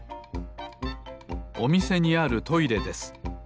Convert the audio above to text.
おみせにあるトイレです。